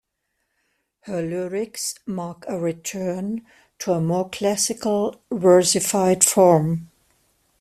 Her lyrics mark a return to a more classical, versified form.